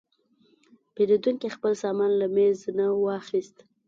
پیرودونکی خپل سامان له میز نه واخیست.